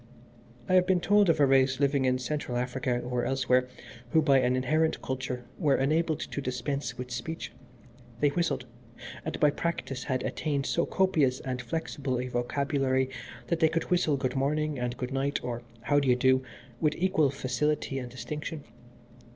"I have been told of a race living in Central Africa, or elsewhere, who by an inherent culture were enabled to dispense with speech. They whistled, and by practice had attained so copious and flexible a vocabulary that they could whistle good morning and good night, or how do you do with equal facility and distinction.